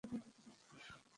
দাঁড়াও, ব্রোনউইনের কী হবে?